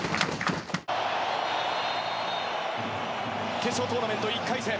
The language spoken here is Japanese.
決勝トーナメント１回戦